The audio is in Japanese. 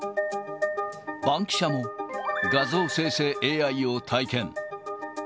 バンキシャも、画像生成ＡＩを体験。